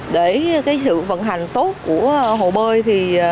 để sự vận hành tốt của hồ bơi